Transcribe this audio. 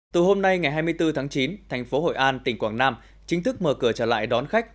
từ hôm nay ngày hai mươi bốn tháng chín thành phố hội an tỉnh quảng nam chính thức mở cửa trở lại đón khách